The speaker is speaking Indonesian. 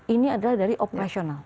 ini adalah dari operasional